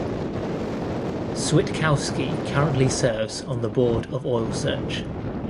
Switkowski currently serves on the Board of Oilsearch.